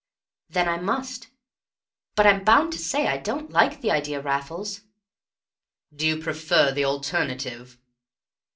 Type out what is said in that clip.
"Then I must; but I'm bound to say I don't like the idea, Raffles." "Do you prefer the alternative?"